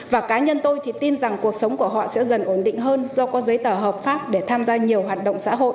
và cá nhân tôi thì tin rằng cuộc sống của họ sẽ dần ổn định hơn do có giấy tờ hợp pháp để tham gia nhiều hoạt động xã hội